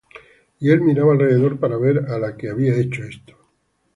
Y él miraba alrededor para ver á la que había hecho esto.